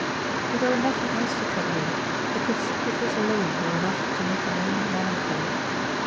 If there were nothing else to trouble them, the conceit of this alone were enough to make them all melancholy.